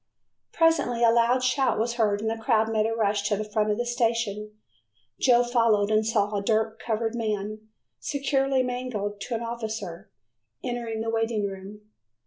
Presently a loud shout was heard and the crowd made a rush to the front of the station. Joe followed and saw a dirt covered man, securely manacled to an officer, entering the waiting room.